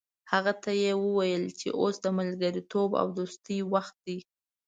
هغه ته یې وویل چې اوس د ملګرتوب او دوستۍ وخت دی.